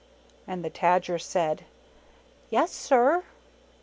And the Tajer said, "Yes, sir!"